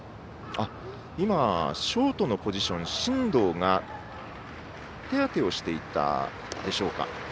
今、ショートのポジションの進藤が手当てをしていたでしょうか。